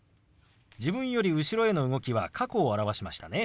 自分より後ろへの動きは過去を表しましたね。